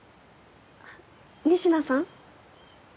仁科さん？